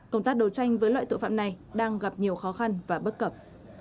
công tác đấu tranh với loại tội phạm này đang gặp nhiều khó khăn và bất cập